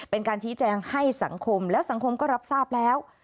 เป็นการชี้แจงให้สังคมแล้วสังคมก็รับทราบแล้ว